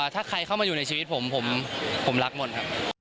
ถ้าใครเข้ามาอยู่ในชีวิตผมผมรักหมดครับ